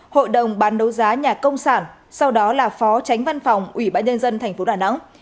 hội đồng bán đấu giá nhà công sản sau đó là phó tránh văn phòng ủy ban nhân dân tp đà nẵng